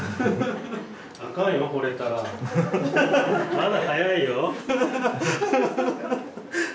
まだ早いよ。